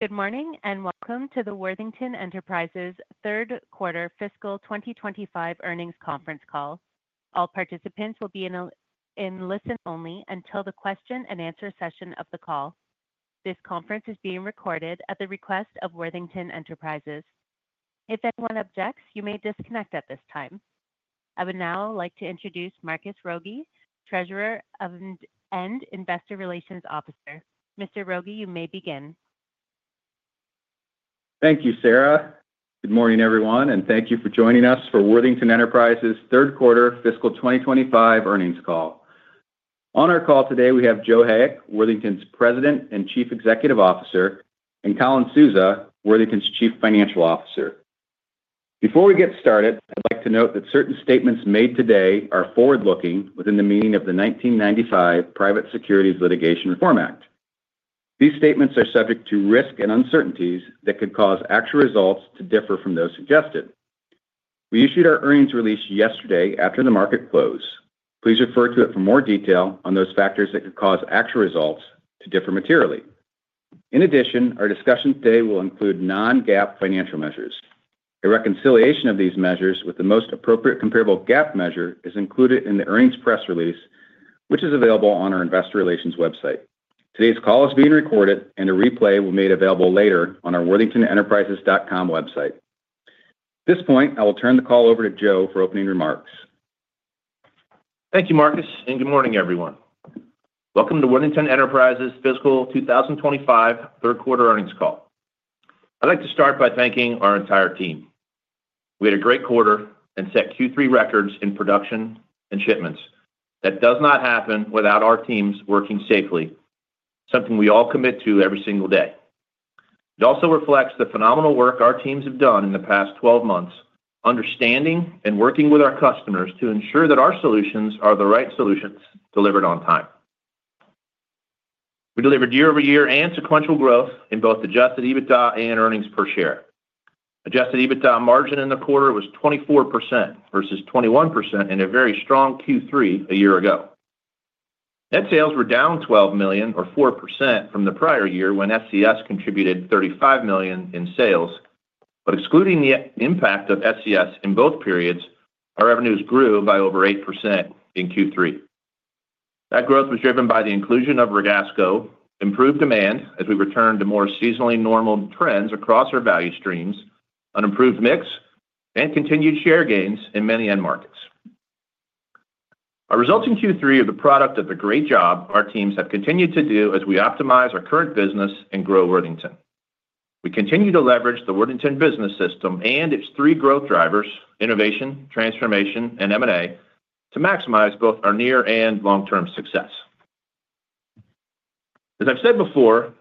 Good morning and welcome to the Worthington Enterprises Third Quarter Fiscal 2025 Earnings Conference Call. All participants will be in listen only until the question and answer session of the call. This conference is being recorded at the request of Worthington Enterprises. If anyone objects, you may disconnect at this time. I would now like to introduce Marcus Rogier, Treasurer and Investor Relations Officer. Mr. Rogier, you may begin. Thank you, Sarah. Good morning, everyone, and thank you for joining us for Worthington Enterprises Third Quarter Fiscal 2025 Earnings Call. On our call today, we have Joe Hayek, Worthington's President and Chief Executive Officer, and Colin Souza, Worthington's Chief Financial Officer. Before we get started, I'd like to note that certain statements made today are forward-looking within the meaning of the 1995 Private Securities Litigation Reform Act. These statements are subject to risk and uncertainties that could cause actual results to differ from those suggested. We issued our earnings release yesterday after the market close. Please refer to it for more detail on those factors that could cause actual results to differ materially. In addition, our discussion today will include non-GAAP financial measures. A reconciliation of these measures with the most appropriate comparable GAAP measure is included in the earnings press release, which is available on our Investor Relations website. Today's call is being recorded, and a replay will be made available later on our worthingtonenterprises.com website. At this point, I will turn the call over to Joe for opening remarks. Thank you, Marcus, and good morning, everyone. Welcome to Worthington Enterprises Fiscal 2025 Third Quarter Earnings Call. I'd like to start by thanking our entire team. We had a great quarter and set Q3 records in production and shipments. That does not happen without our teams working safely, something we all commit to every single day. It also reflects the phenomenal work our teams have done in the past 12 months, understanding and working with our customers to ensure that our solutions are the right solutions delivered on time. We delivered year-over-year and sequential growth in both adjusted EBITDA and earnings per share. Adjusted EBITDA margin in the quarter was 24% versus 21% in a very strong Q3 a year ago. Net sales were down $12 million, or 4%, from the prior year when SES contributed $35 million in sales, but excluding the impact of SES in both periods, our revenues grew by over 8% in Q3. That growth was driven by the inclusion of Ragasco, improved demand as we returned to more seasonally normal trends across our value streams, an improved mix, and continued share gains in many end markets. Our results in Q3 are the product of the great job our teams have continued to do as we optimize our current business and grow Worthington. We continue to leverage the Worthington Business System and its three growth drivers, innovation, transformation, and M&A, to maximize both our near and long-term success. As I've said before,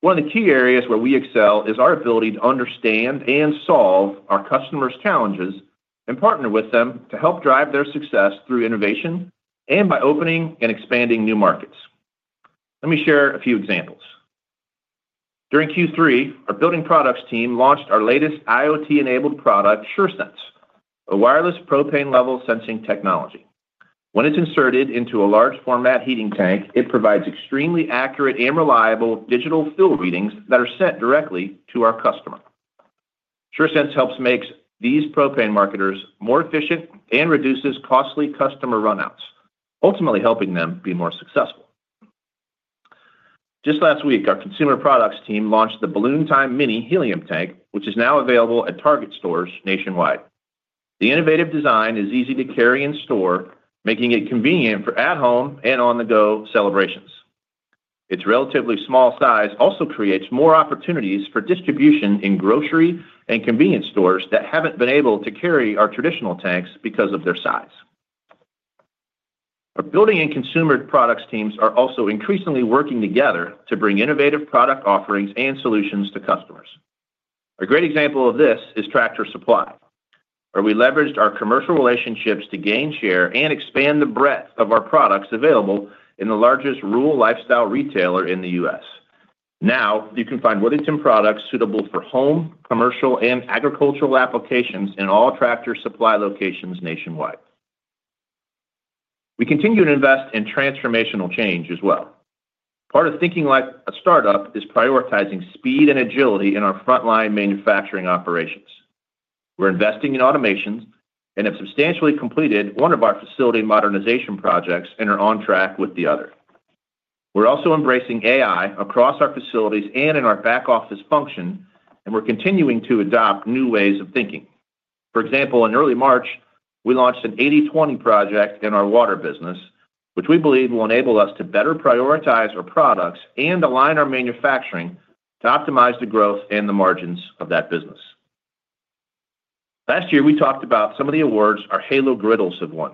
one of the key areas where we excel is our ability to understand and solve our customers' challenges and partner with them to help drive their success through innovation and by opening and expanding new markets. Let me share a few examples. During Q3, our building products team launched our latest IoT-enabled product, SureSense, a wireless propane-level sensing technology. When it's inserted into a large-format heating tank, it provides extremely accurate and reliable digital fill readings that are sent directly to our customer. SureSense helps make these propane marketers more efficient and reduces costly customer runouts, ultimately helping them be more successful. Just last week, our consumer products team launched the Balloon Time Mini Helium Tank, which is now available at Target stores nationwide. The innovative design is easy to carry and store, making it convenient for at-home and on-the-go celebrations. Its relatively small size also creates more opportunities for distribution in grocery and convenience stores that have not been able to carry our traditional tanks because of their size. Our building and consumer products teams are also increasingly working together to bring innovative product offerings and solutions to customers. A great example of this is Tractor Supply, where we leveraged our commercial relationships to gain share and expand the breadth of our products available in the largest rural lifestyle retailer in the U.S. Now, you can find Worthington products suitable for home, commercial, and agricultural applications in all Tractor Supply locations nationwide. We continue to invest in transformational change as well. Part of thinking like a startup is prioritizing speed and agility in our frontline manufacturing operations. We are investing in automations and have substantially completed one of our facility modernization projects and are on track with the other. We're also embracing AI across our facilities and in our back office function, and we're continuing to adopt new ways of thinking. For example, in early March, we launched an 80/20 project in our water business, which we believe will enable us to better prioritize our products and align our manufacturing to optimize the growth and the margins of that business. Last year, we talked about some of the awards our Halo Griddles have won.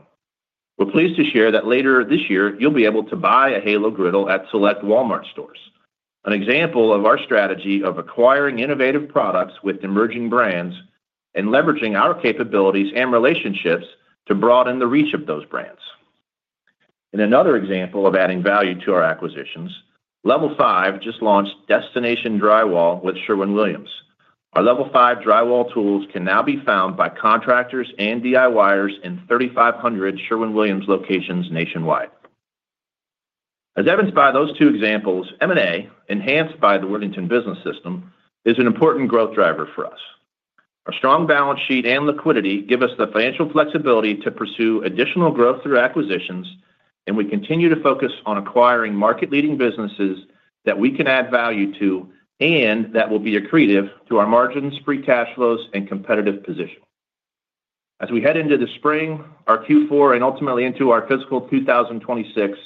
We're pleased to share that later this year, you'll be able to buy a Halo Griddle at select Walmart stores, an example of our strategy of acquiring innovative products with emerging brands and leveraging our capabilities and relationships to broaden the reach of those brands. In another example of adding value to our acquisitions, Level 5 just launched Destination Drywall with Sherwin-Williams. Our Level 5 drywall tools can now be found by contractors and DIYers in 3,500 Sherwin-Williams locations nationwide. As evidenced by those two examples, M&A, enhanced by the Worthington Business System, is an important growth driver for us. Our strong balance sheet and liquidity give us the financial flexibility to pursue additional growth through acquisitions, and we continue to focus on acquiring market-leading businesses that we can add value to and that will be accretive to our margins, free cash flows, and competitive position. As we head into the spring, our Q4, and ultimately into our fiscal 2026,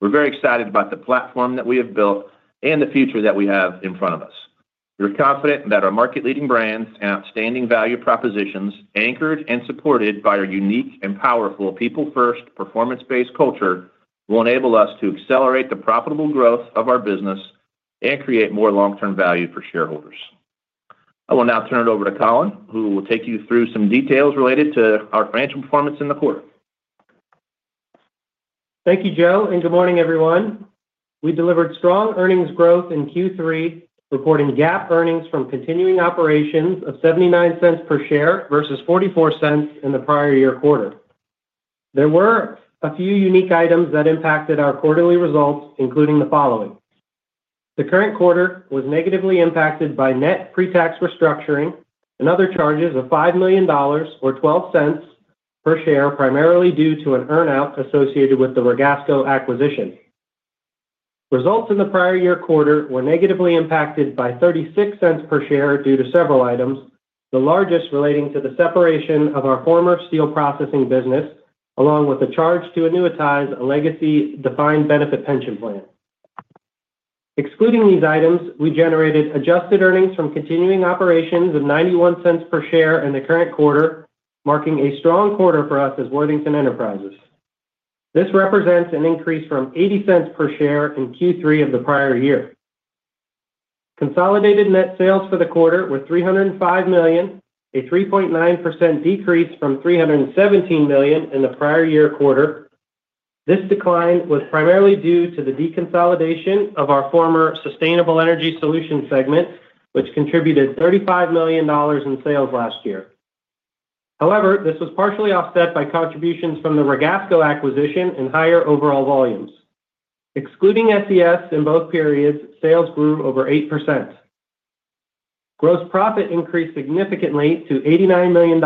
we're very excited about the platform that we have built and the future that we have in front of us. We're confident that our market-leading brands and outstanding value propositions, anchored and supported by our unique and powerful people-first, performance-based culture, will enable us to accelerate the profitable growth of our business and create more long-term value for shareholders. I will now turn it over to Colin, who will take you through some details related to our financial performance in the quarter. Thank you, Joe, and good morning, everyone. We delivered strong earnings growth in Q3, reporting GAAP earnings from continuing operations of $0.79 per share versus $0.44 in the prior year quarter. There were a few unique items that impacted our quarterly results, including the following. The current quarter was negatively impacted by net pre-tax restructuring and other charges of $5 million, or $0.12 per share, primarily due to an earnout associated with the Ragasco acquisition. Results in the prior year quarter were negatively impacted by $0.36 per share due to several items, the largest relating to the separation of our former steel processing business, along with a charge to annuitize a legacy defined benefit pension plan. Excluding these items, we generated adjusted earnings from continuing operations of $0.91 per share in the current quarter, marking a strong quarter for us as Worthington Enterprises. This represents an increase from $0.80 per share in Q3 of the prior year. Consolidated net sales for the quarter were $305 million, a 3.9% decrease from $317 million in the prior year quarter. This decline was primarily due to the deconsolidation of our former Sustainable Energy Solutions segment, which contributed $35 million in sales last year. However, this was partially offset by contributions from the Ragasco acquisition and higher overall volumes. Excluding Sustainable Energy Solutions in both periods, sales grew over 8%. Gross profit increased significantly to $89 million,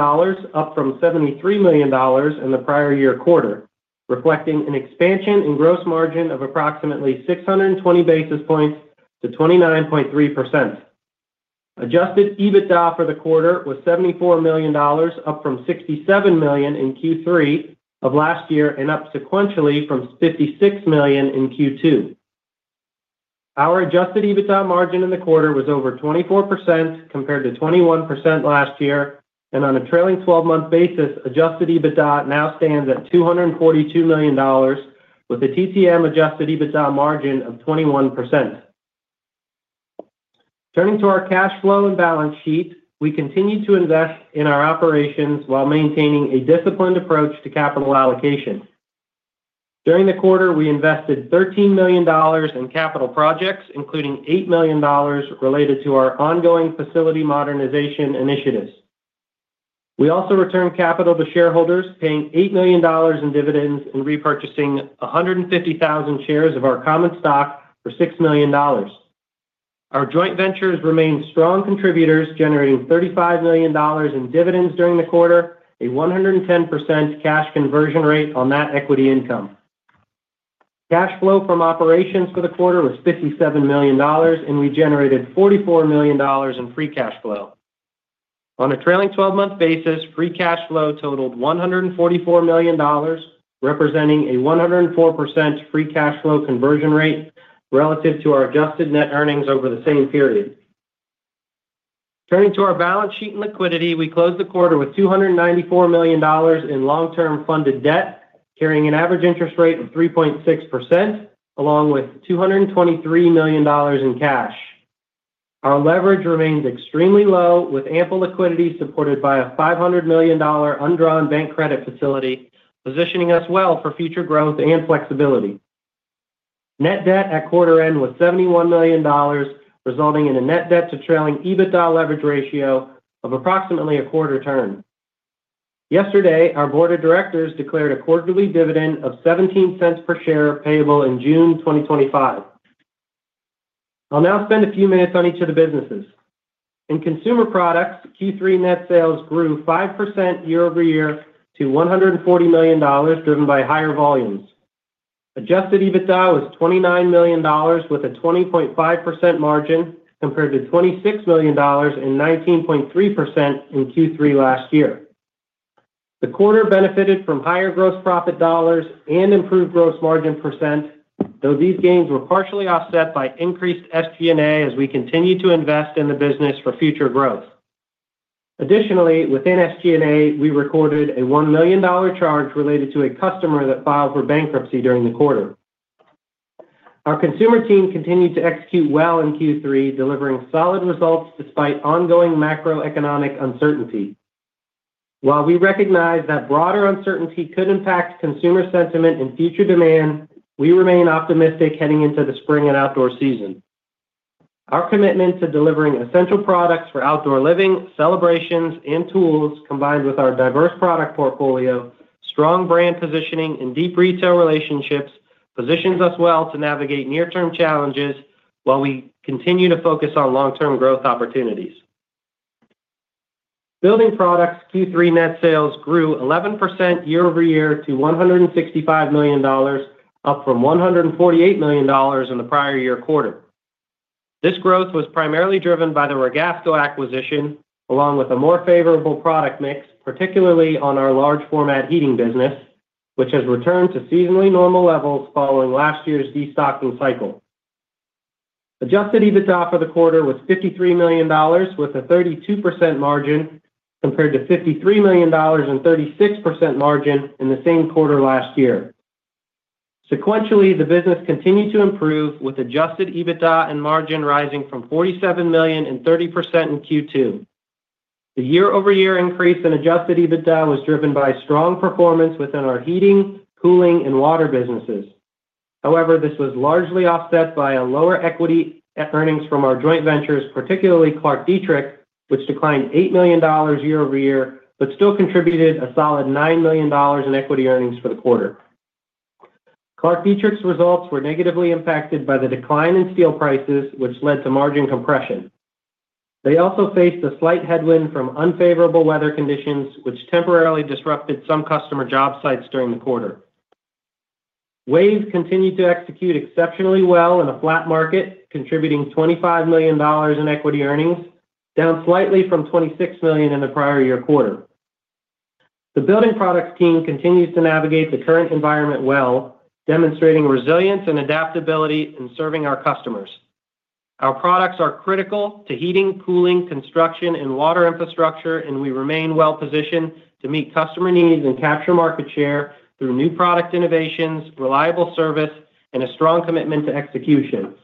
up from $73 million in the prior year quarter, reflecting an expansion in gross margin of approximately 620 basis points to 29.3%. Adjusted EBITDA for the quarter was $74 million, up from $67 million in Q3 of last year and up sequentially from $56 million in Q2. Our adjusted EBITDA margin in the quarter was over 24% compared to 21% last year, and on a trailing 12-month basis, adjusted EBITDA now stands at $242 million, with a TTM adjusted EBITDA margin of 21%. Turning to our cash flow and balance sheet, we continued to invest in our operations while maintaining a disciplined approach to capital allocation. During the quarter, we invested $13 million in capital projects, including $8 million related to our ongoing facility modernization initiatives. We also returned capital to shareholders, paying $8 million in dividends and repurchasing 150,000 shares of our common stock for $6 million. Our joint ventures remained strong contributors, generating $35 million in dividends during the quarter, a 110% cash conversion rate on that equity income. Cash flow from operations for the quarter was $57 million, and we generated $44 million in free cash flow. On a trailing 12-month basis, free cash flow totaled $144 million, representing a 104% free cash flow conversion rate relative to our adjusted net earnings over the same period. Turning to our balance sheet and liquidity, we closed the quarter with $294 million in long-term funded debt, carrying an average interest rate of 3.6%, along with $223 million in cash. Our leverage remained extremely low, with ample liquidity supported by a $500 million undrawn bank credit facility, positioning us well for future growth and flexibility. Net debt at quarter end was $71 million, resulting in a net debt to trailing EBITDA leverage ratio of approximately a quarter turn. Yesterday, our board of directors declared a quarterly dividend of $0.17 per share payable in June 2025. I'll now spend a few minutes on each of the businesses. In consumer products, Q3 net sales grew 5% year-over-year to $140 million, driven by higher volumes. Adjusted EBITDA was $29 million, with a 20.5% margin compared to $26 million and 19.3% in Q3 last year. The quarter benefited from higher gross profit dollars and improved gross margin percent, though these gains were partially offset by increased SG&A as we continue to invest in the business for future growth. Additionally, within SG&A, we recorded a $1 million charge related to a customer that filed for bankruptcy during the quarter. Our consumer team continued to execute well in Q3, delivering solid results despite ongoing macroeconomic uncertainty. While we recognize that broader uncertainty could impact consumer sentiment and future demand, we remain optimistic heading into the spring and outdoor season. Our commitment to delivering essential products for outdoor living, celebrations, and tools, combined with our diverse product portfolio, strong brand positioning, and deep retail relationships, positions us well to navigate near-term challenges while we continue to focus on long-term growth opportunities. Building products, Q3 net sales grew 11% year-over-year to $165 million, up from $148 million in the prior year quarter. This growth was primarily driven by the Ragasco acquisition, along with a more favorable product mix, particularly on our large-format heating business, which has returned to seasonally normal levels following last year's destocking cycle. Adjusted EBITDA for the quarter was $53 million, with a 32% margin compared to $53 million and 36% margin in the same quarter last year. Sequentially, the business continued to improve, with adjusted EBITDA and margin rising from $47 million and 30% in Q2. The year-over-year increase in adjusted EBITDA was driven by strong performance within our heating, cooling, and water businesses. However, this was largely offset by lower equity earnings from our joint ventures, particularly ClarkDietrich, which declined $8 million year-over-year but still contributed a solid $9 million in equity earnings for the quarter. ClarkDietrich's results were negatively impacted by the decline in steel prices, which led to margin compression. They also faced a slight headwind from unfavorable weather conditions, which temporarily disrupted some customer job sites during the quarter. WAVE continued to execute exceptionally well in a flat market, contributing $25 million in equity earnings, down slightly from $26 million in the prior year quarter. The building products team continues to navigate the current environment well, demonstrating resilience and adaptability in serving our customers. Our products are critical to heating, cooling, construction, and water infrastructure, and we remain well-positioned to meet customer needs and capture market share through new product innovations, reliable service, and a strong commitment to execution.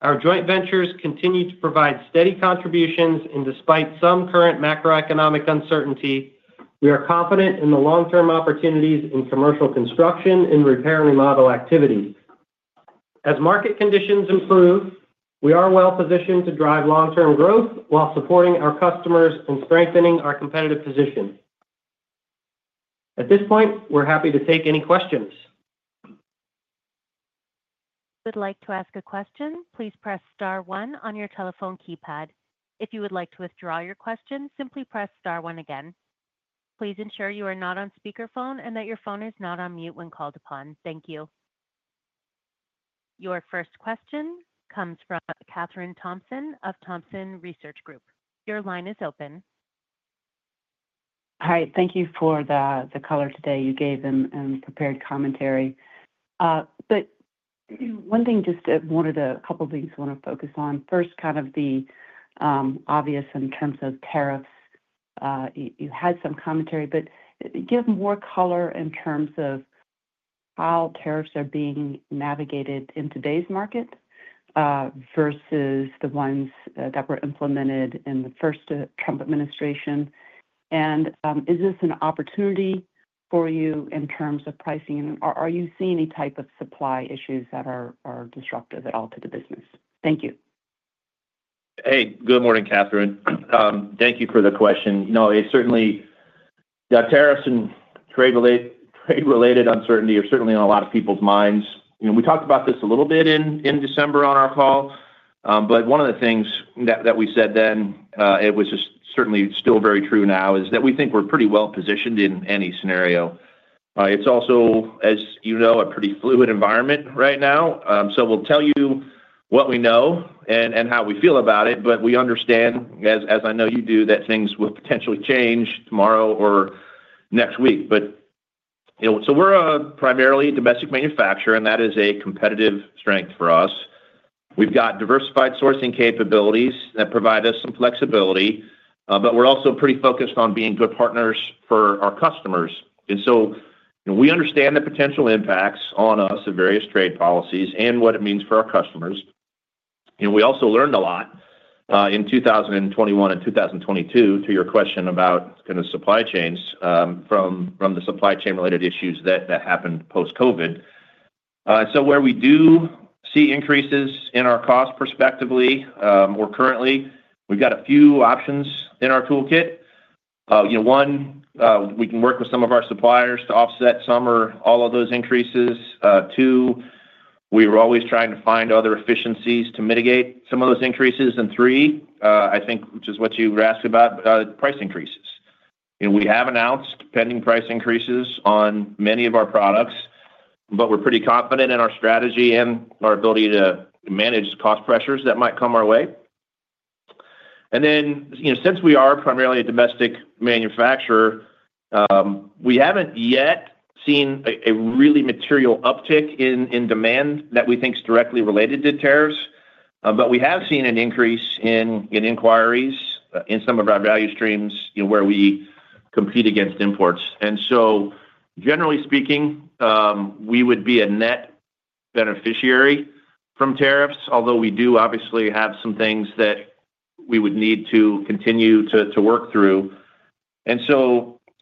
Our joint ventures continue to provide steady contributions, and despite some current macroeconomic uncertainty, we are confident in the long-term opportunities in commercial construction and repair and remodel activities. As market conditions improve, we are well-positioned to drive long-term growth while supporting our customers and strengthening our competitive position. At this point, we're happy to take any questions. If you would like to ask a question, please press star one on your telephone keypad. If you would like to withdraw your question, simply press star one again. Please ensure you are not on speakerphone and that your phone is not on mute when called upon. Thank you. Your first question comes from Kathryn Thompson of Thompson Research Group. Your line is open. Hi. Thank you for the color today you gave and prepared commentary. One thing, just wanted a couple of things I want to focus on. First, kind of the obvious in terms of tariffs. You had some commentary, give more color in terms of how tariffs are being navigated in today's market versus the ones that were implemented in the first Trump administration. Is this an opportunity for you in terms of pricing, and are you seeing any type of supply issues that are disruptive at all to the business? Thank you. Hey, good morning, Kathryn. Thank you for the question. It certainly, that tariffs and trade-related uncertainty are certainly on a lot of people's minds. We talked about this a little bit in December on our call, but one of the things that we said then, it was just certainly still very true now, is that we think we're pretty well-positioned in any scenario. It's also, as you know, a pretty fluid environment right now. We will tell you what we know and how we feel about it, but we understand, as I know you do, that things will potentially change tomorrow or next week. We are primarily a domestic manufacturer, and that is a competitive strength for us. We've got diversified sourcing capabilities that provide us some flexibility, but we're also pretty focused on being good partners for our customers. We understand the potential impacts on us of various trade policies and what it means for our customers. We also learned a lot in 2021 and 2022 to your question about kind of supply chains from the supply chain-related issues that happened post-COVID. Where we do see increases in our costs prospectively or currently, we have a few options in our toolkit. One, we can work with some of our suppliers to offset some or all of those increases. Two, we are always trying to find other efficiencies to mitigate some of those increases. Three, I think, which is what you were asking about, price increases. We have announced pending price increases on many of our products, but we are pretty confident in our strategy and our ability to manage cost pressures that might come our way. Since we are primarily a domestic manufacturer, we haven't yet seen a really material uptick in demand that we think is directly related to tariffs, but we have seen an increase in inquiries in some of our value streams where we compete against imports. Generally speaking, we would be a net beneficiary from tariffs, although we do obviously have some things that we would need to continue to work through.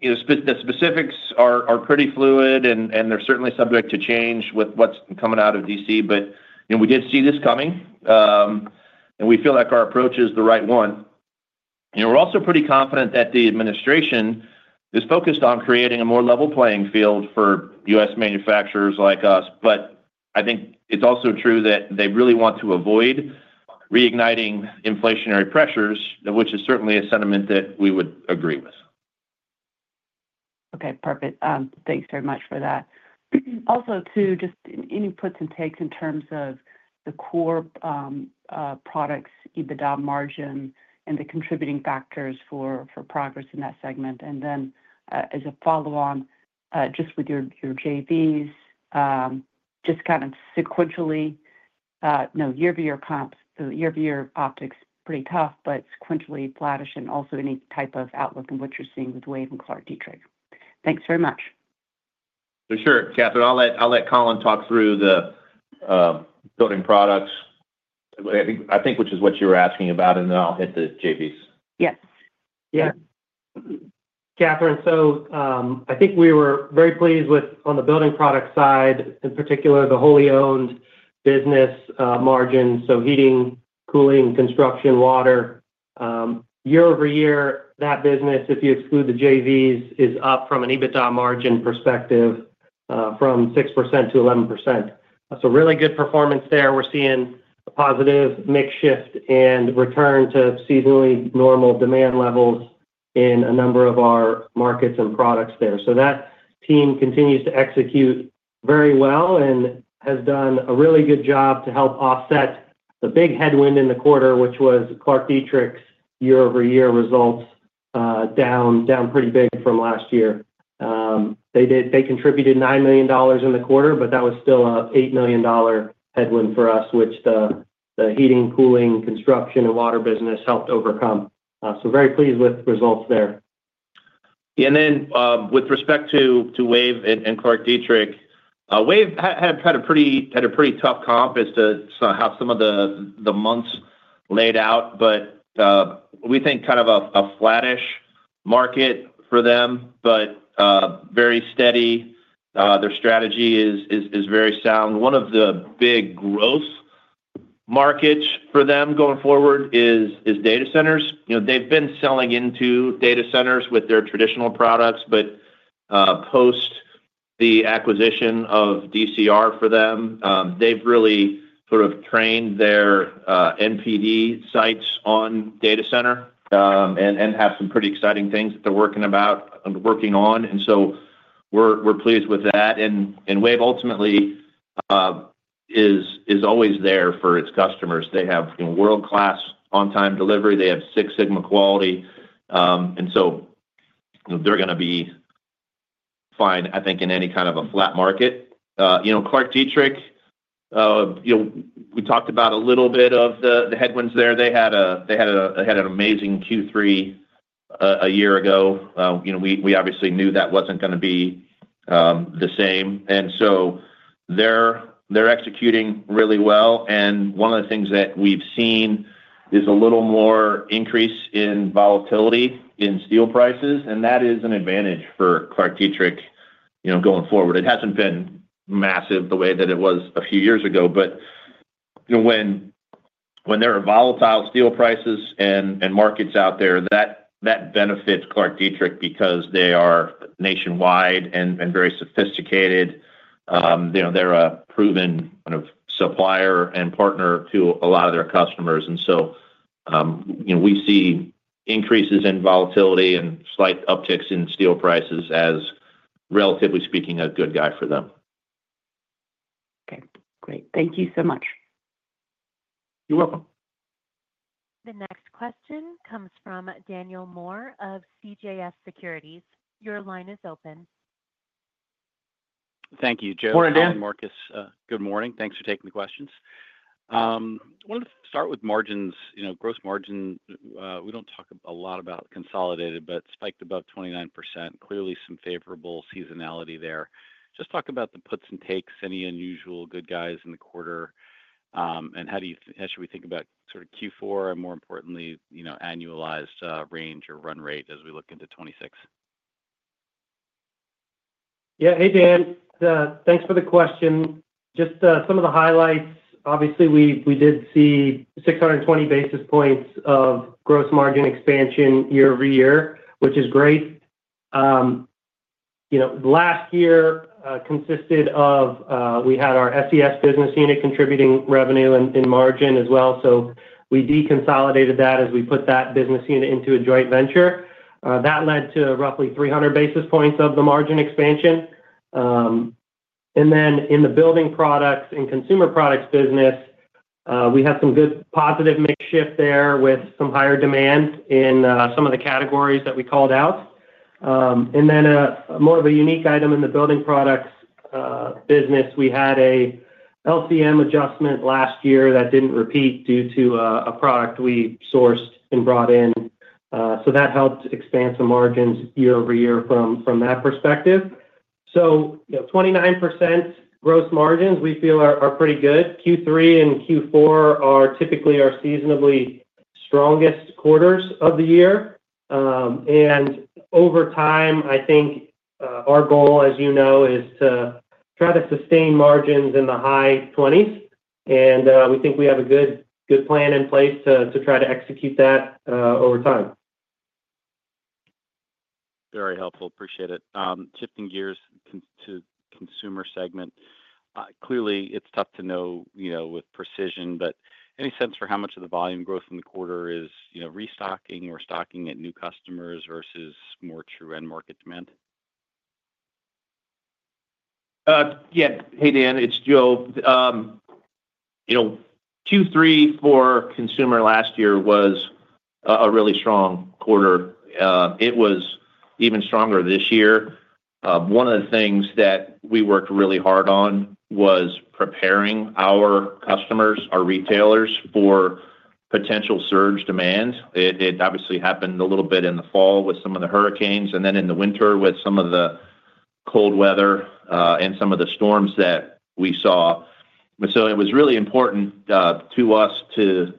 The specifics are pretty fluid, and they are certainly subject to change with what's coming out of Washington DC, but we did see this coming, and we feel like our approach is the right one. We are also pretty confident that the administration is focused on creating a more level playing field for U.S. manufacturers like us, but I think it's also true that they really want to avoid reigniting inflationary pressures, which is certainly a sentiment that we would agree with. Okay. Perfect. Thanks very much for that. Also, too, just any puts and takes in terms of the core products, EBITDA margin, and the contributing factors for progress in that segment. As a follow-on, just with your JVs, just kind of sequentially, no, year-over-year comps, so year-over-year optics pretty tough, but sequentially flattish and also any type of outlook in what you're seeing with WAVE and ClarkDietrich. Thanks very much. Sure. Kathryn, I'll let Colin talk through the building products, I think, which is what you were asking about, and then I'll hit the JVs. Yes. Yeah. Kathryn, so I think we were very pleased with on the building product side, in particular, the wholly owned business margins, so heating, cooling, construction, water. Year-over-year, that business, if you exclude the JVs, is up from an EBITDA margin perspective from 6%-11%. Really good performance there. We're seeing a positive mix shift and return to seasonally normal demand levels in a number of our markets and products there. That team continues to execute very well and has done a really good job to help offset the big headwind in the quarter, which was ClarkDietrich's year-over-year results down pretty big from last year. They contributed $9 million in the quarter, but that was still an $8 million headwind for us, which the heating, cooling, construction, and water business helped overcome. Very pleased with results there. Yeah. And then with respect to WAVE and ClarkDietrich, WAVE had a pretty tough comp as to how some of the months laid out, but we think kind of a flattish market for them, but very steady. Their strategy is very sound. One of the big growth markets for them going forward is data centers. They've been selling into data centers with their traditional products, but post the acquisition of DCR for them, they've really sort of trained their NPD sites on data center and have some pretty exciting things that they're working on. We are pleased with that. WAVE ultimately is always there for its customers. They have world-class on-time delivery. They have Six Sigma quality. They are going to be fine, I think, in any kind of a flat market. ClarkDietrich, we talked about a little bit of the headwinds there. They had an amazing Q3 a year ago. We obviously knew that was not going to be the same. They are executing really well. One of the things that we have seen is a little more increase in volatility in steel prices, and that is an advantage for ClarkDietrich going forward. It has not been massive the way that it was a few years ago, but when there are volatile steel prices and markets out there, that benefits ClarkDietrich because they are nationwide and very sophisticated. They are a proven kind of supplier and partner to a lot of their customers. We see increases in volatility and slight upticks in steel prices as, relatively speaking, a good guy for them. Okay. Great. Thank you so much. You're welcome. The next question comes from Daniel Moore of CJS Securities. Your line is open. Thank you, Joe and Marcus. Morning, Dan. Good morning. Thanks for taking the questions. I wanted to start with margins, gross margin. We do not talk a lot about consolidated, but spiked above 29%. Clearly, some favorable seasonality there. Just talk about the puts and takes, any unusual good guys in the quarter, and how should we think about sort of Q4 and, more importantly, annualized range or run rate as we look into 2026? Yeah. Hey, Dan. Thanks for the question. Just some of the highlights. Obviously, we did see 620 basis points of gross margin expansion year-over-year, which is great. Last year consisted of we had our SES business unit contributing revenue and margin as well. We deconsolidated that as we put that business unit into a joint venture. That led to roughly 300 basis points of the margin expansion. In the building products and consumer products business, we had some good positive mix shift there with some higher demand in some of the categories that we called out. More of a unique item in the building products business, we had an LCM adjustment last year that did not repeat due to a product we sourced and brought in. That helped expand some margins year-over-year from that perspective. 29% gross margins, we feel, are pretty good. Q3 and Q4 are typically our seasonably strongest quarters of the year. Over time, I think our goal, as you know, is to try to sustain margins in the high 20s. We think we have a good plan in place to try to execute that over time. Very helpful. Appreciate it. Shifting gears to consumer segment. Clearly, it's tough to know with precision, but any sense for how much of the volume growth in the quarter is restocking or stocking at new customers versus more true end market demand? Yeah. Hey, Dan. It's Joe. Q3 for consumer last year was a really strong quarter. It was even stronger this year. One of the things that we worked really hard on was preparing our customers, our retailers, for potential surge demand. It obviously happened a little bit in the fall with some of the hurricanes and then in the winter with some of the cold weather and some of the storms that we saw. It was really important to us to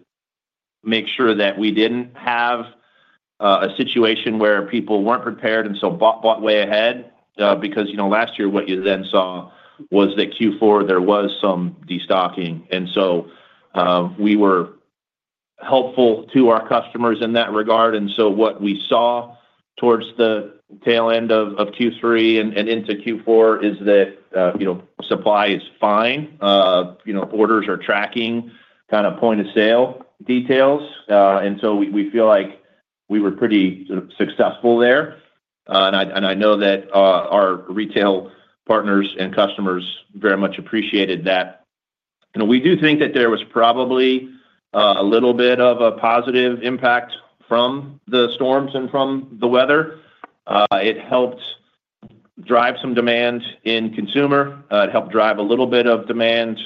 make sure that we did not have a situation where people were not prepared and so bought way ahead because last year, what you then saw was that Q4, there was some destocking. We were helpful to our customers in that regard. What we saw towards the tail end of Q3 and into Q4 is that supply is fine. Orders are tracking kind of point-of-sale details. We feel like we were pretty successful there. I know that our retail partners and customers very much appreciated that. We do think that there was probably a little bit of a positive impact from the storms and from the weather. It helped drive some demand in consumer. It helped drive a little bit of demand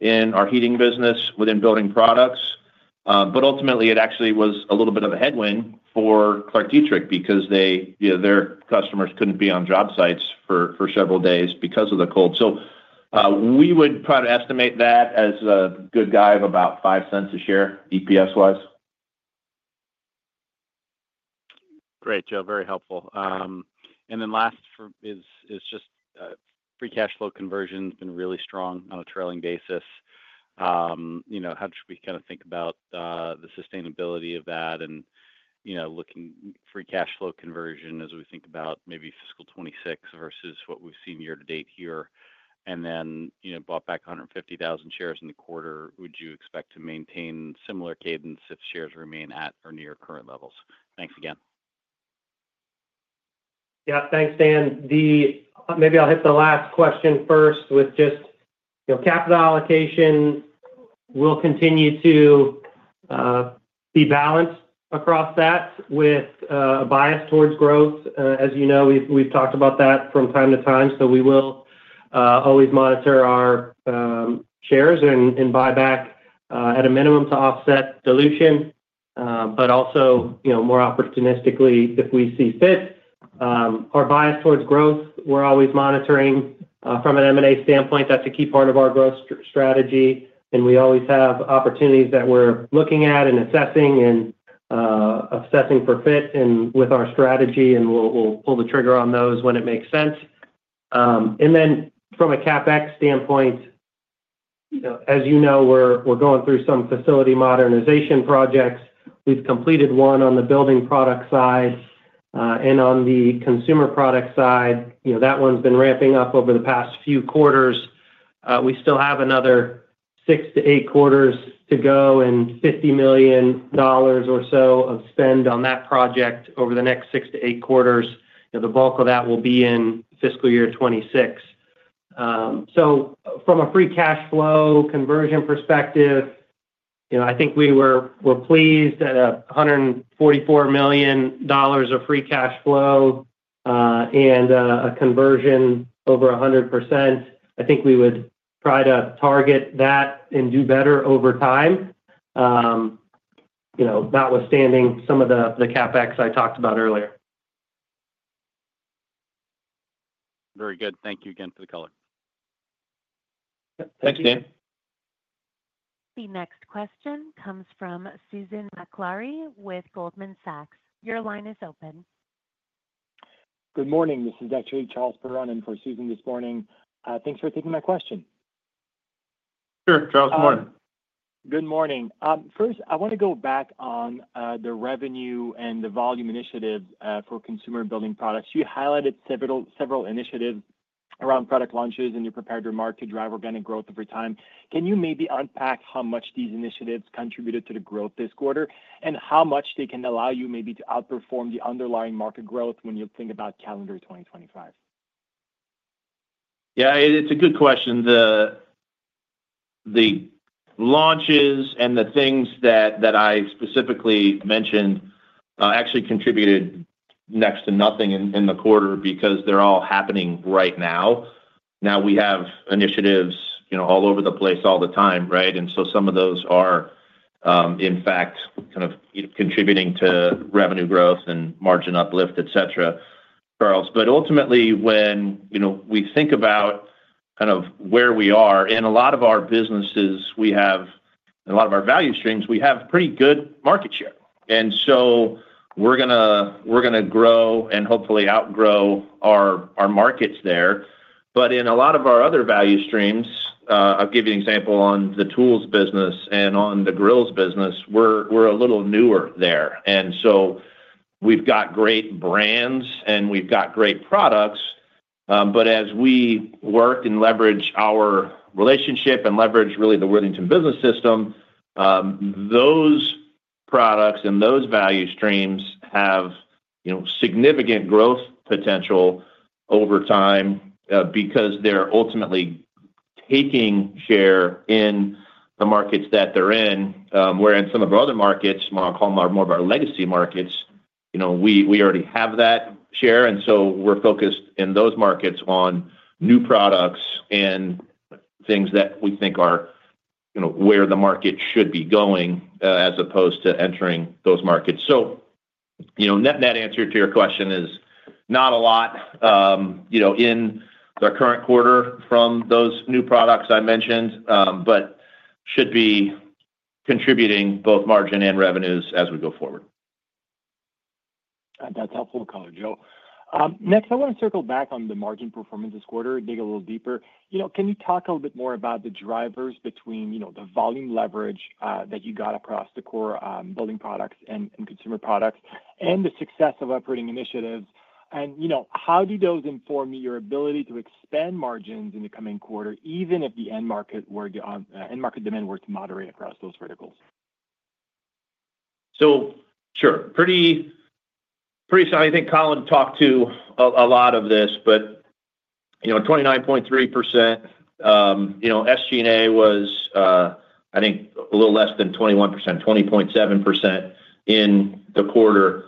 in our heating business within building products. Ultimately, it actually was a little bit of a headwind for ClarkDietrich because their customers could not be on job sites for several days because of the cold. We would probably estimate that as a good guy of about $0.05 a share, EPS-wise. Great, Joe. Very helpful. Last is just free cash flow conversion has been really strong on a trailing basis. How should we kind of think about the sustainability of that and looking at free cash flow conversion as we think about maybe fiscal 2026 versus what we've seen year-to-date here? Bought back 150,000 shares in the quarter. Would you expect to maintain similar cadence if shares remain at or near current levels? Thanks again. Yeah. Thanks, Dan. Maybe I'll hit the last question first with just capital allocation. We'll continue to be balanced across that with a bias towards growth. As you know, we've talked about that from time to time. We will always monitor our shares and buy back at a minimum to offset dilution, but also more opportunistically if we see fit. Our bias towards growth, we're always monitoring from an M&A standpoint. That's a key part of our growth strategy. We always have opportunities that we're looking at and assessing and assessing for fit with our strategy, and we'll pull the trigger on those when it makes sense. From a CapEx standpoint, as you know, we're going through some facility modernization projects. We've completed one on the building product side. On the consumer product side, that one's been ramping up over the past few quarters. We still have another six to eight quarters to go and $50 million or so of spend on that project over the next six to eight quarters. The bulk of that will be in fiscal year 2026. From a free cash flow conversion perspective, I think we were pleased at $144 million of free cash flow and a conversion over 100%. I think we would try to target that and do better over time, notwithstanding some of the CapEx I talked about earlier. Very good. Thank you again for the color. Thanks, Dan. The next question comes from Susan Maklari with Goldman Sachs. Your line is open. Good morning. This is actually Charles Perron in for Susan this morning. Thanks for taking my question. Sure, Charles. Good morning. Good morning. First, I want to go back on the revenue and the volume initiatives for consumer building products. You highlighted several initiatives around product launches, and you prepared your mark to drive organic growth over time. Can you maybe unpack how much these initiatives contributed to the growth this quarter and how much they can allow you maybe to outperform the underlying market growth when you think about calendar 2025? Yeah. It's a good question. The launches and the things that I specifically mentioned actually contributed next to nothing in the quarter because they're all happening right now. We have initiatives all over the place all the time, right? Some of those are, in fact, kind of contributing to revenue growth and margin uplift, etc., Charles. Ultimately, when we think about kind of where we are, in a lot of our businesses, we have in a lot of our value streams, we have pretty good market share. We're going to grow and hopefully outgrow our markets there. In a lot of our other value streams, I'll give you an example on the tools business and on the grills business, we're a little newer there. We've got great brands and we've got great products. As we work and leverage our relationship and leverage really the Worthington Business System, those products and those value streams have significant growth potential over time because they're ultimately taking share in the markets that they're in. Where in some of our other markets, I'll call them more of our legacy markets, we already have that share. We are focused in those markets on new products and things that we think are where the market should be going as opposed to entering those markets. That answer to your question is not a lot in the current quarter from those new products I mentioned, but should be contributing both margin and revenues as we go forward. That's helpful color, Joe. Next, I want to circle back on the margin performance this quarter, dig a little deeper. Can you talk a little bit more about the drivers between the volume leverage that you got across the core building products and consumer products and the success of operating initiatives? How do those inform your ability to expand margins in the coming quarter, even if the end market demand were to moderate across those verticals? Sure. Pretty sound. I think Colin talked to a lot of this, but 29.3%. SG&A was, I think, a little less than 21%, 20.7% in the quarter.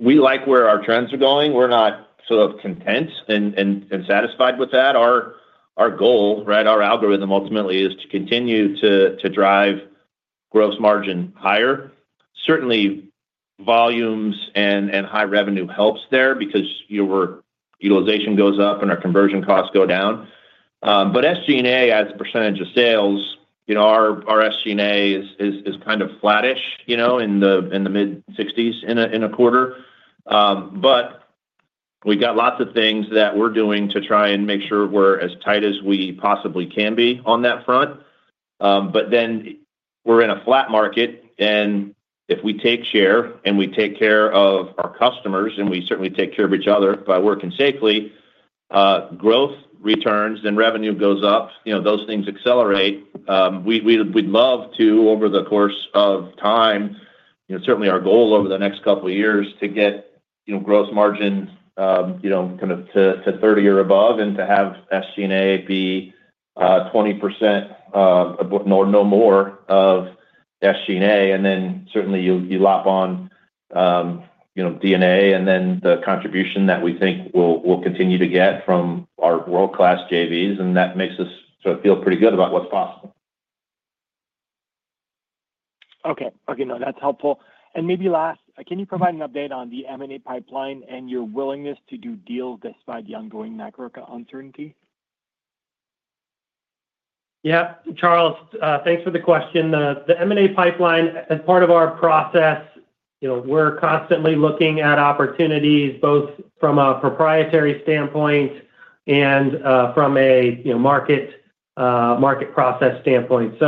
We like where our trends are going. We're not sort of content and satisfied with that. Our goal, right, our algorithm ultimately is to continue to drive gross margin higher. Certainly, volumes and high revenue helps there because utilization goes up and our conversion costs go down. SG&A as a percentage of sales, our SG&A is kind of flattish in the mid-60s in a quarter. We've got lots of things that we're doing to try and make sure we're as tight as we possibly can be on that front. We're in a flat market. If we take share and we take care of our customers, and we certainly take care of each other by working safely, growth returns and revenue goes up. Those things accelerate. We'd love to, over the course of time, certainly our goal over the next couple of years to get gross margin kind of to 30% or above and to have SG&A be 20% or no more of SG&A. Then certainly, you lock on DNA and then the contribution that we think we'll continue to get from our world-class JVs. That makes us sort of feel pretty good about what's possible. Okay. Okay. No, that's helpful. Maybe last, can you provide an update on the M&A pipeline and your willingness to do deals despite the ongoing macro uncertainty? Yeah. Charles, thanks for the question. The M&A pipeline, as part of our process, we're constantly looking at opportunities both from a proprietary standpoint and from a market process standpoint.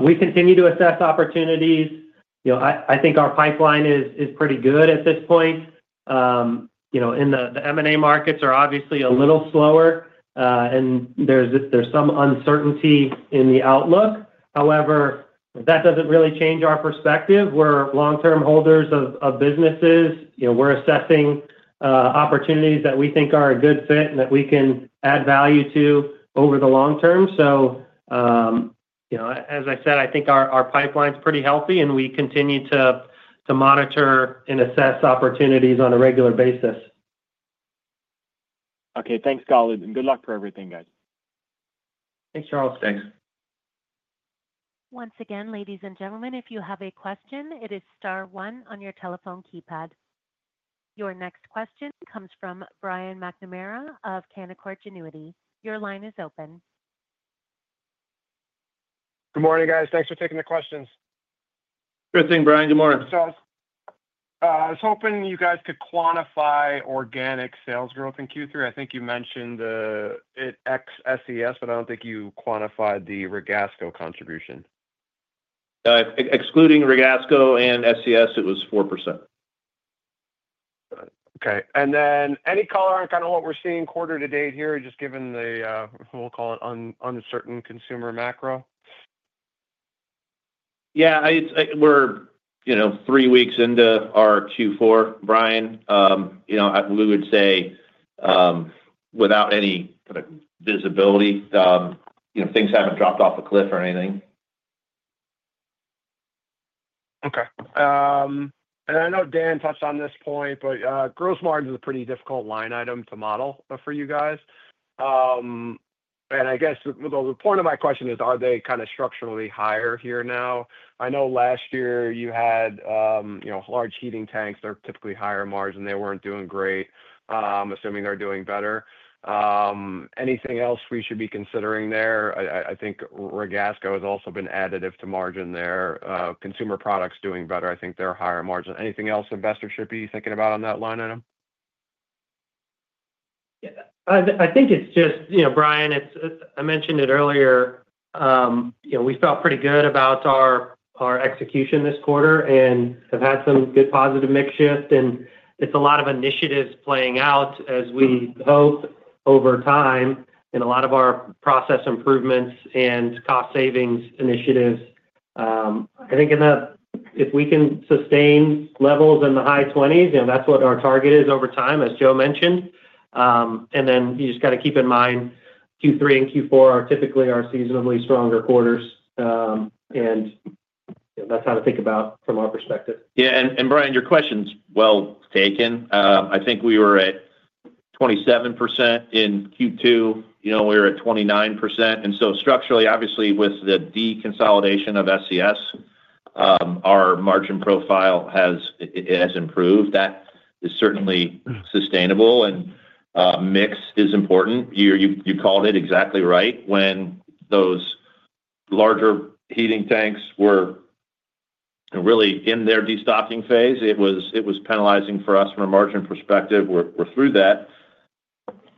We continue to assess opportunities. I think our pipeline is pretty good at this point. The M&A markets are obviously a little slower, and there's some uncertainty in the outlook. However, that doesn't really change our perspective. We're long-term holders of businesses. We're assessing opportunities that we think are a good fit and that we can add value to over the long term. I think our pipeline is pretty healthy, and we continue to monitor and assess opportunities on a regular basis. Okay. Thanks, Colin. Good luck for everything, guys. Thanks, Charles. Thanks. Once again, ladies and gentlemen, if you have a question, it is star one on your telephone keypad. Your next question comes from Brian McNamara of Canaccord Genuity. Your line is open. Good morning, guys. Thanks for taking the questions. Good thing, Brian. Good morning. I was hoping you guys could quantify organic sales growth in Q3. I think you mentioned ex-SES, but I don't think you quantified the Ragasco contribution. Excluding Ragasco and SES, it was 4%. Okay. Any color on kind of what we're seeing quarter to date here, just given the, we'll call it uncertain consumer macro? Yeah. We're three weeks into our Q4, Brian. We would say without any kind of visibility, things haven't dropped off a cliff or anything. Okay. I know Dan touched on this point, but gross margin is a pretty difficult line item to model for you guys. I guess the point of my question is, are they kind of structurally higher here now? I know last year you had large heating tanks. They're typically higher margin, and they weren't doing great, assuming they're doing better. Anything else we should be considering there? I think Ragasco has also been additive to margin there. Consumer products doing better. I think they're higher margin. Anything else investors should be thinking about on that line item? Yeah. I think it's just, Brian, I mentioned it earlier. We felt pretty good about our execution this quarter and have had some good positive mix shift. It's a lot of initiatives playing out as we hope over time and a lot of our process improvements and cost savings initiatives. I think if we can sustain levels in the high 20s, that's what our target is over time, as Joe mentioned. You just got to keep in mind Q3 and Q4 are typically our seasonably stronger quarters. That's how to think about it from our perspective. Yeah. Brian, your question's well taken. I think we were at 27% in Q2. We were at 29%. Structurally, obviously, with the deconsolidation of SES, our margin profile has improved. That is certainly sustainable, and mix is important. You called it exactly right when those larger heating tanks were really in their destocking phase. It was penalizing for us from a margin perspective. We're through that.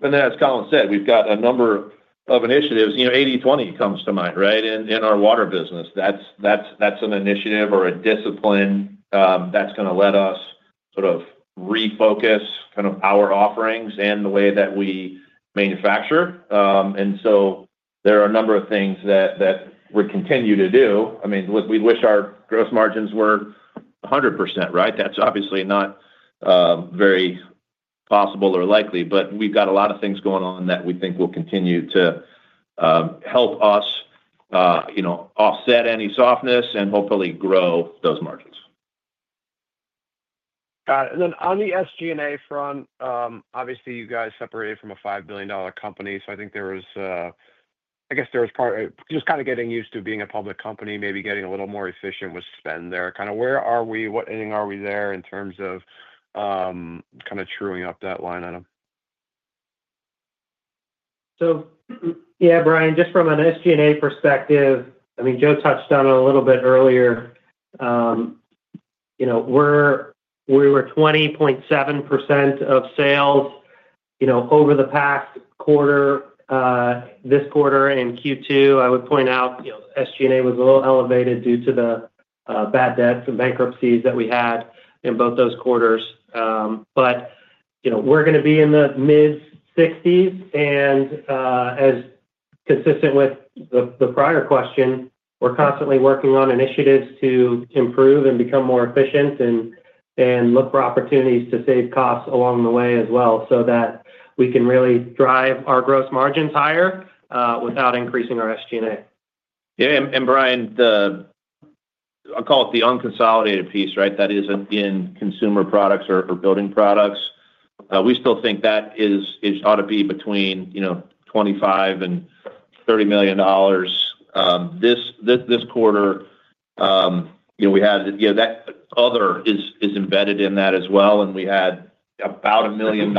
As Colin said, we've got a number of initiatives. 80/20 comes to mind, right? In our water business, that's an initiative or a discipline that's going to let us sort of refocus kind of our offerings and the way that we manufacture. There are a number of things that we continue to do. I mean, we wish our gross margins were 100%, right? That's obviously not very possible or likely, but we've got a lot of things going on that we think will continue to help us offset any softness and hopefully grow those margins. Got it. On the SG&A front, obviously, you guys separated from a $5 billion company. I think there was, I guess there was part just kind of getting used to being a public company, maybe getting a little more efficient with spend there. Kind of where are we? What ending are we there in terms of kind of truing up that line item? Yeah, Brian, just from an SG&A perspective, I mean, Joe touched on it a little bit earlier. We were 20.7% of sales over the past quarter, this quarter, and Q2. I would point out SG&A was a little elevated due to the bad debts and bankruptcies that we had in both those quarters. We're going to be in the mid-60s. As consistent with the prior question, we're constantly working on initiatives to improve and become more efficient and look for opportunities to save costs along the way as well so that we can really drive our gross margins higher without increasing our SG&A. Yeah. Brian, I'll call it the unconsolidated piece, right? That isn't in consumer products or building products. We still think that ought to be between $25 million and $30 million. This quarter, we had that other is embedded in that as well. We had about $1 million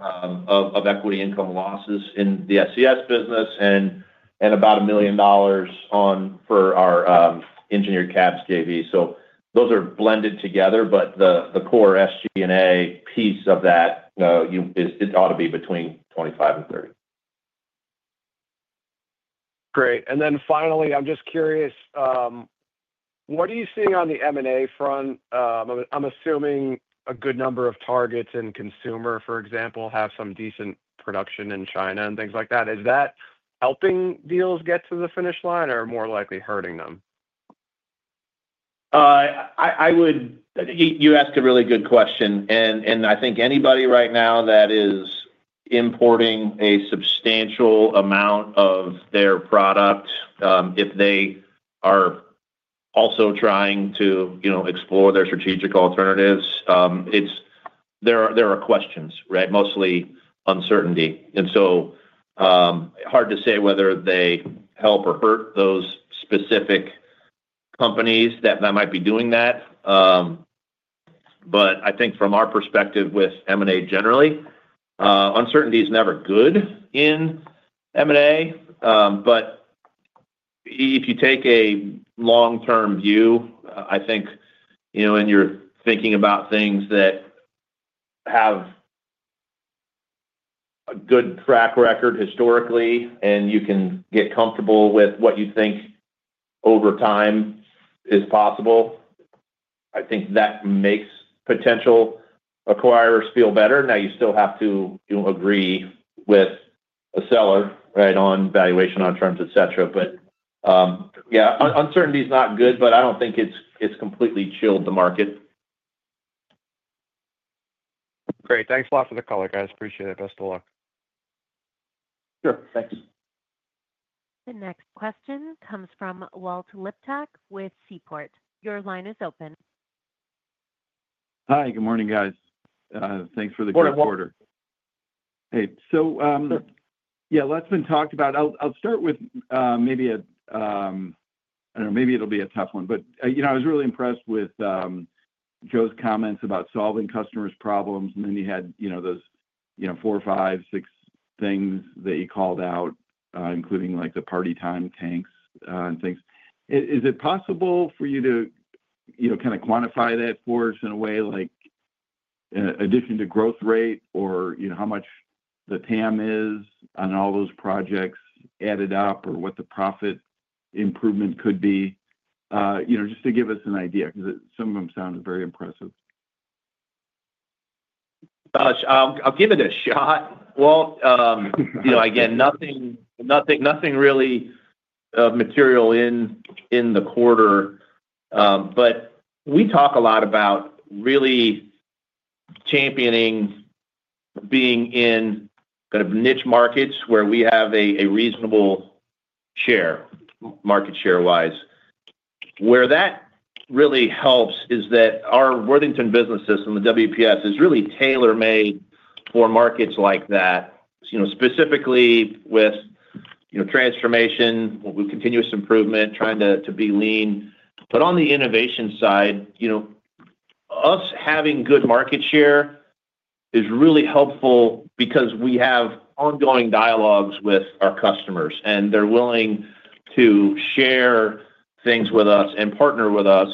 of equity income losses in the SCS business and about $1 million for our Engineered Cabs JV. Those are blended together. The core SG&A piece of that, it ought to be between $25 million and $30 million. Great. Finally, I am just curious, what are you seeing on the M&A front? I am assuming a good number of targets in consumer, for example, have some decent production in China and things like that. Is that helping deals get to the finish line or more likely hurting them? You asked a really good question. I think anybody right now that is importing a substantial amount of their product, if they are also trying to explore their strategic alternatives, there are questions, right? Mostly uncertainty. It is hard to say whether they help or hurt those specific companies that might be doing that. I think from our perspective with M&A generally, uncertainty is never good in M&A. If you take a long-term view, I think when you are thinking about things that have a good track record historically and you can get comfortable with what you think over time is possible, I think that makes potential acquirers feel better. You still have to agree with a seller, right, on valuation, on terms, etc. Uncertainty is not good, but I do not think it has completely chilled the market. Great. Thanks a lot for the color, guys. Appreciate it. Best of luck. Sure. Thanks. The next question comes from Walt Liptak with Seaport. Your line is open. Hi. Good morning, guys. Thanks for the quarter. Morning, Walt. Hey. Yeah, lots been talked about. I'll start with maybe a—I don't know. Maybe it'll be a tough one. I was really impressed with Joe's comments about solving customers' problems. Then you had those four, five, six things that you called out, including the party time tanks and things. Is it possible for you to kind of quantify that for us in a way, like addition to growth rate or how much the TAM is on all those projects added up or what the profit improvement could be, just to give us an idea? Because some of them sound very impressive. Gosh, I'll give it a shot. Again, nothing really material in the quarter. We talk a lot about really championing being in kind of niche markets where we have a reasonable market share-wise. Where that really helps is that our Worthington Business System, the WPS, is really tailor-made for markets like that, specifically with transformation, continuous improvement, trying to be lean. On the innovation side, us having good market share is really helpful because we have ongoing dialogues with our customers, and they're willing to share things with us and partner with us.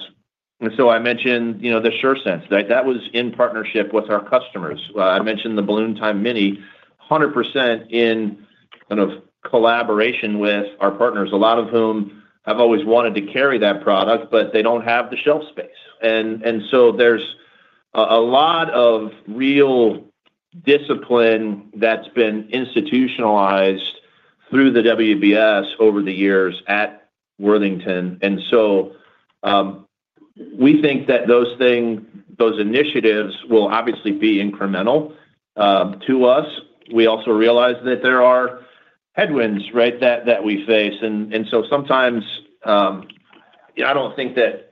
I mentioned the SureSense, right? That was in partnership with our customers. I mentioned the Balloon Time Mini, 100% in kind of collaboration with our partners, a lot of whom have always wanted to carry that product, but they do not have the shelf space. There is a lot of real discipline that has been institutionalized through the WBS over the years at Worthington. We think that those initiatives will obviously be incremental to us. We also realize that there are headwinds that we face. Sometimes I do not think that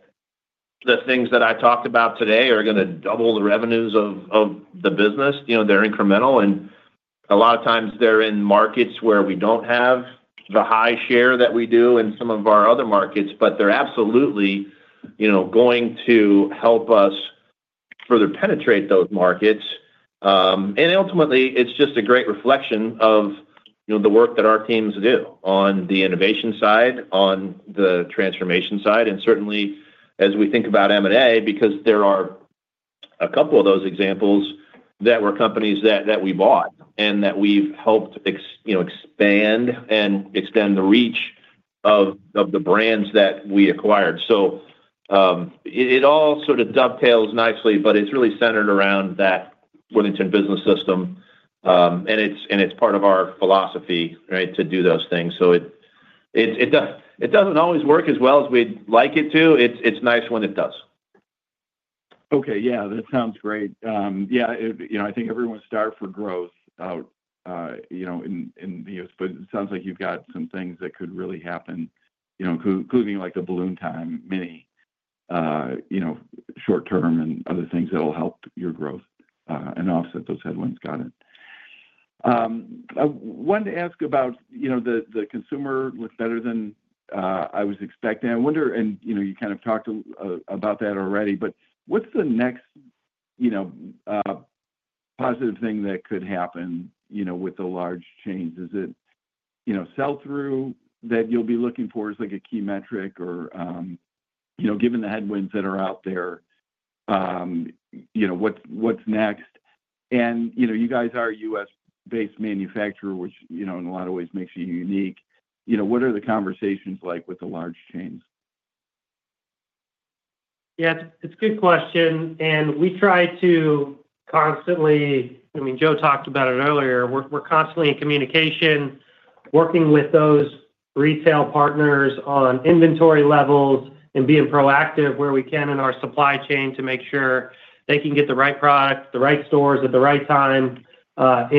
the things that I talked about today are going to double the revenues of the business. They are incremental. A lot of times they are in markets where we do not have the high share that we do in some of our other markets, but they are absolutely going to help us further penetrate those markets. Ultimately, it is just a great reflection of the work that our teams do on the innovation side, on the transformation side. Certainly, as we think about M&A, because there are a couple of those examples that were companies that we bought and that we've helped expand and extend the reach of the brands that we acquired. It all sort of dovetails nicely, but it's really centered around that Worthington Business System. It's part of our philosophy, right, to do those things. It doesn't always work as well as we'd like it to. It's nice when it does. Okay. Yeah. That sounds great. Yeah. I think everyone's starved for growth out in the U.S., but it sounds like you've got some things that could really happen, including the Balloon Time Mini, short-term and other things that will help your growth and offset those headwinds. Got it. I wanted to ask about the consumer look better than I was expecting. You kind of talked about that already, but what's the next positive thing that could happen with the large chains? Is it sell-through that you'll be looking for as a key metric? Given the headwinds that are out there, what's next? You guys are a U.S.-based manufacturer, which in a lot of ways makes you unique. What are the conversations like with the large chains? Yeah. It's a good question. I mean, Joe talked about it earlier. We're constantly in communication, working with those retail partners on inventory levels and being proactive where we can in our supply chain to make sure they can get the right product, the right stores at the right time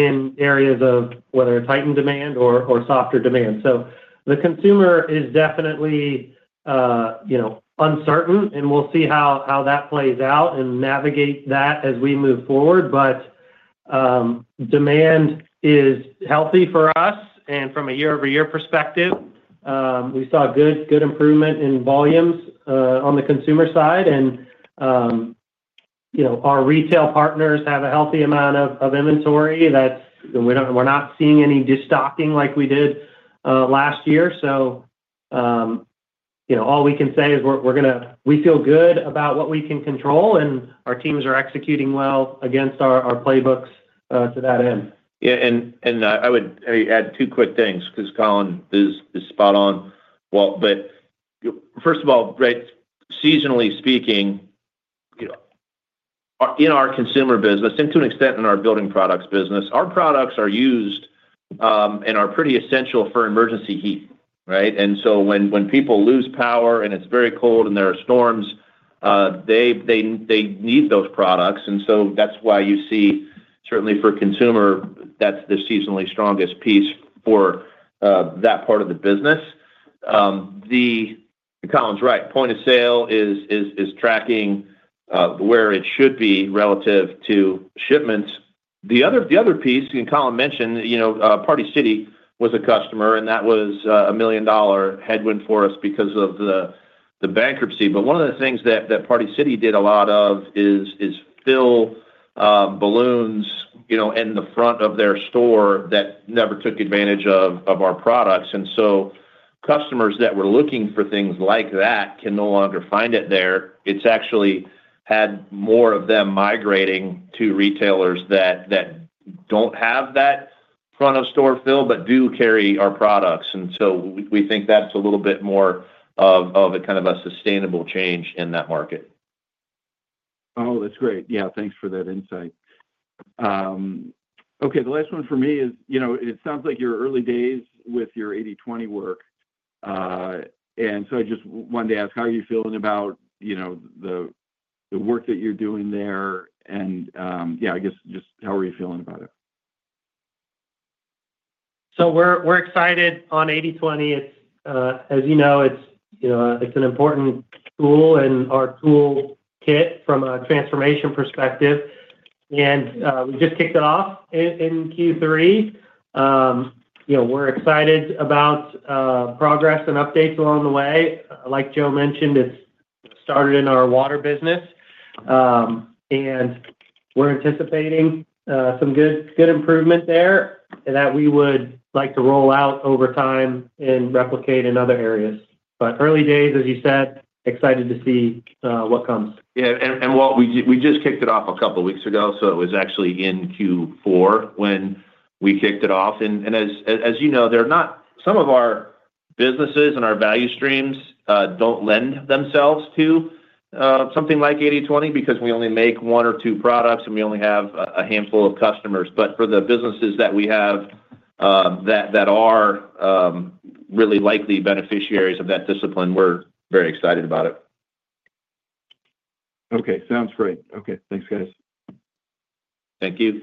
in areas of whether it's heightened demand or softer demand. The consumer is definitely uncertain, and we'll see how that plays out and navigate that as we move forward. Demand is healthy for us. From a year-over-year perspective, we saw good improvement in volumes on the consumer side. Our retail partners have a healthy amount of inventory. We're not seeing any destocking like we did last year. All we can say is we're going to—we feel good about what we can control, and our teams are executing well against our playbooks to that end. Yeah. I would add two quick things because Colin is spot on. First of all, seasonally speaking, in our consumer business, and to an extent in our building products business, our products are used and are pretty essential for emergency heat, right? When people lose power and it is very cold and there are storms, they need those products. That is why you see, certainly for consumer, that is the seasonally strongest piece for that part of the business. Colin is right. Point of sale is tracking where it should be relative to shipments. The other piece, and Colin mentioned, Party City was a customer, and that was a $1 million headwind for us because of the bankruptcy. One of the things that Party City did a lot of is fill balloons in the front of their store that never took advantage of our products. Customers that were looking for things like that can no longer find it there. It's actually had more of them migrating to retailers that do not have that front-of-store fill but do carry our products. We think that's a little bit more of a kind of a sustainable change in that market. Oh, that's great. Yeah. Thanks for that insight. Okay. The last one for me is it sounds like your early days with your 80/20 work. I just wanted to ask, how are you feeling about the work that you're doing there? Yeah, I guess just how are you feeling about it? We're excited on 80/20. As you know, it's an important tool in our tool kit from a transformation perspective. We just kicked it off in Q3. We're excited about progress and updates along the way. Like Joe mentioned, it started in our water business. We're anticipating some good improvement there that we would like to roll out over time and replicate in other areas. Early days, as you said, excited to see what comes. Yeah. Walt, we just kicked it off a couple of weeks ago. It was actually in Q4 when we kicked it off. As you know, some of our businesses and our value streams do not lend themselves to something like 80/20 because we only make one or two products, and we only have a handful of customers. For the businesses that we have that are really likely beneficiaries of that discipline, we are very excited about it. Okay. Sounds great. Okay. Thanks, guys. Thank you.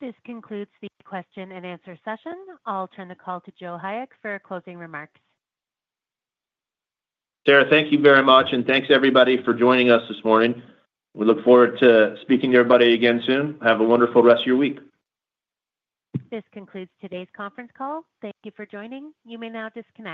This concludes the question and answer session. I'll turn the call to Joe Hayek for closing remarks. Sarah, thank you very much. Thank you, everybody, for joining us this morning. We look forward to speaking to everybody again soon. Have a wonderful rest of your week. This concludes today's conference call. Thank you for joining. You may now disconnect.